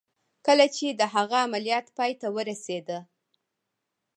کله چې د هغه عملیات پای ته ورسېد